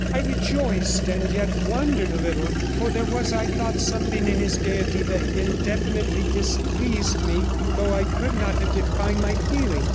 I rejoiced, and yet wondered a little; for there was, I thought, something in his gaiety that indefinitely displeased me, though I could not have defined my feeling.